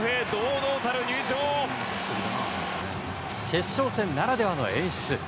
決勝戦ならではの演出。